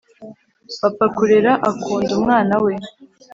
Bapfa kurera akunda umwana we